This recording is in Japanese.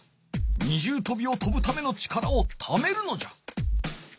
二重とびをとぶための力をためるのじゃ。